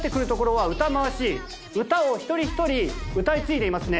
歌を一人一人歌い継いでいますね。